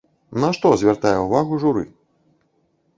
На што звяртае ўвагу журы?